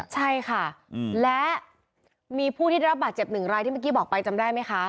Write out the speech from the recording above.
ใช่ค่ะและมีผู้ที่ได้รับบาดเจ็บหนึ่งรายที่เมื่อกี้บอกไปจำได้ไหมคะ